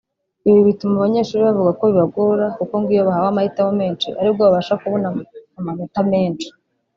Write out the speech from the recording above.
Ibi bituma abanyeshuri bavuga ko bibagora kuko ngo iyo bahawe amahitamo menshi aribwo babasha kubona amanota menshi